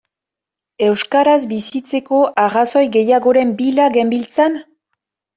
Euskaraz bizitzeko arrazoi gehiagoren bila genbiltzan?